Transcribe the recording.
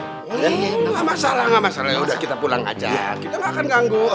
gak masalah gak masalah udah kita pulang aja kita gak akan nganggur